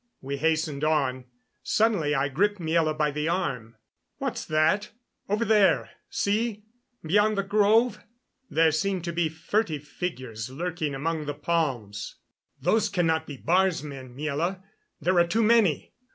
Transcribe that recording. We hastened on. Suddenly I gripped Miela by the arm. "What's that over there see, beyond the grove?" There seemed to be furtive figures lurking among the palms. "Those cannot be Baar's men, Miela there are too many.